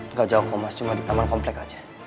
nggak jauh ke mas cuma di taman komplek aja